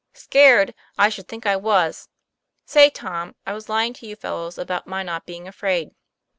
"Scared! I should think I was. Say, Tom, I was lying to you fellows about my not being afraid."